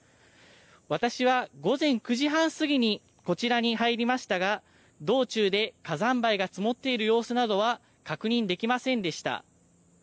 私は午前９時半過ぎにこちらに入りましたが道中で火山灰が積もっている様子などは確認できませんでした。